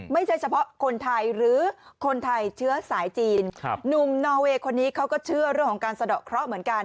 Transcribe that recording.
ไม่ใช่เฉพาะคนไทยหรือคนไทยเชื้อสายจีนหนุ่มนอเวย์คนนี้เขาก็เชื่อเรื่องของการสะดอกเคราะห์เหมือนกัน